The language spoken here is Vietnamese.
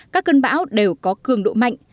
các cơn bão đều có cường độ mạnh